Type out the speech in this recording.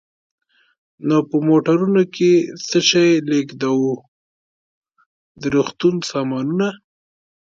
نو په موټرونو کې څه شی لېږدوو؟ د روغتون سامانونه.